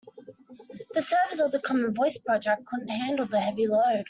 The servers of the common voice project couldn't handle the heavy load.